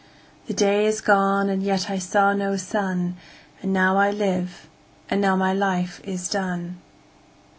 5The day is gone and yet I saw no sun,6And now I live, and now my life is done.